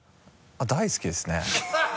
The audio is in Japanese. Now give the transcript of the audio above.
大好きですね。